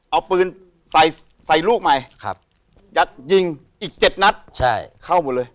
เอาปืนใส่ลูกใหม่ยัดยิงอีกเจ็ดนัดเข้าหมดเลย